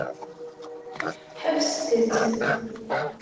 Ḥebset-t.